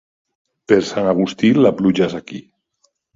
Per Sant Agustí, la pluja és aquí.